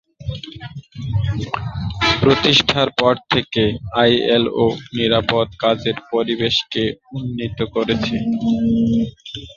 প্রতিষ্ঠার পর থেকে, আইএলও নিরাপদ কাজের পরিবেশকে উন্নীত করেছে।